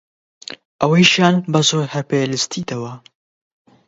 ئەوەیشیان بە زۆر هەر پێ لستیتەوە!